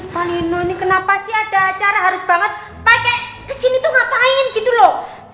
lagi lagi paling paling kenapa sih ada cara harus banget pake kesini tuh ngapain gitu loh